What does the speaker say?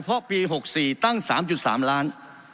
เพราะปี๖๔ตั้ง๓๓ล้าน